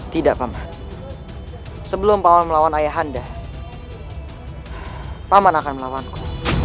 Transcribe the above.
tidak paman sebelum paman melawan ayahanda paman akan melawanku